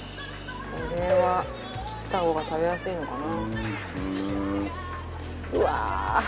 これは切った方が食べやすいのかな？